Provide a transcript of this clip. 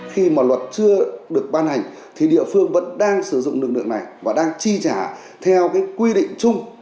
khi mà luật chưa được ban hành thì địa phương vẫn đang sử dụng lực lượng này và đang chi trả theo cái quy định chung